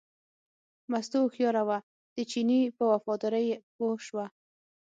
مستو هوښیاره وه، د چیني په وفادارۍ پوه شوه.